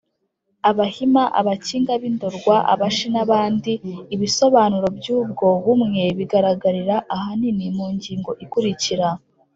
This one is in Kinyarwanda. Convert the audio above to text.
Abahima, Abakiga b'i Ndorwa, Abashi n'abandi. Ibisobanuroby'ubwo bumwe biragaragarira ahanini mu ngingo ikurikira.